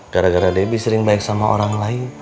gara gara debbie sering baik sama orang lain